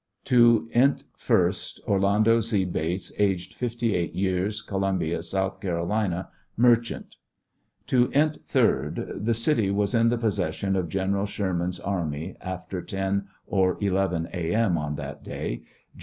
To int. 1st. Orlando Z. Bates, aged 58 years, Colum bia, South Carolina, merchant. To int. 3d. The city was in the possession of Gen. Sherman's army after 10 or 11 A. M. on that day. Gen.